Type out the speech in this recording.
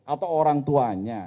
atau orang tuanya